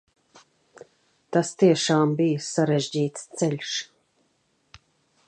Tas tiešām bija sarežģīts ceļš.